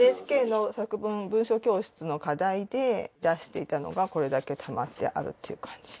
ＮＨＫの作文文章教室の課題で出していたのがこれだけたまってあるという感じ。